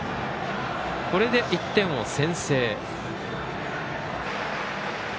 これで１点を先制。